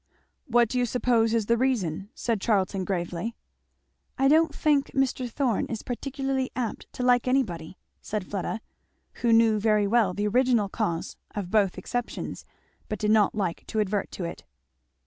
"What do you suppose is the reason?" said Charlton gravely. "I don't think Mr. Thorn is particularly apt to like anybody," said Fleda, who knew very well the original cause of both exceptions but did not like to advert to it.